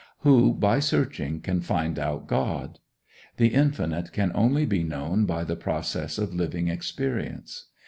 Who, by searching, can find out God? The infinite can only be known by the process of living experience.